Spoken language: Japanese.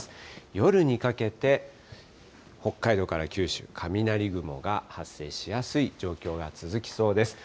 夜にかけて、北海道から九州、雷雲が発生しやすい状況が続きそうです。